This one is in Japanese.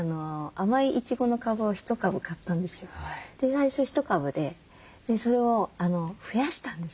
最初１株でそれを増やしたんです。